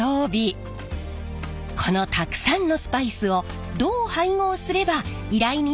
このたくさんのスパイスをどう配合すれば依頼に適したカレーになるのか。